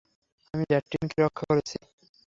আমি ল্যাটিনকে রক্ষা করেছি।